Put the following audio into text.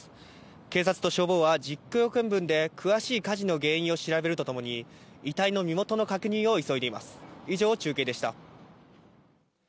警察と消防は実況見分で詳しい火事の原因を調べるとともに遺体の身元の確認を急いでいます。